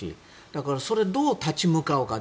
だからそれにどう立ち向かうか。